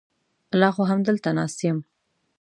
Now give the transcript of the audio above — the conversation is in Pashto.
لا خو همدلته ناست یم.